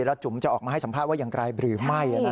แล้วจุ๋มจะออกมาให้สัมภาษณ์ว่าอย่างไรหรือไม่